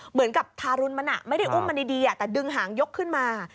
เหมือนกับทารุณมันไม่ได้อุ้มมันดีแต่ดึงหางยกขึ้นมา